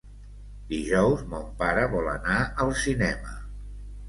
Dijous mon pare vol anar al cinema.